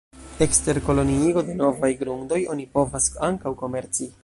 Ekster koloniigo de novaj grundoj oni povas ankaŭ komerci.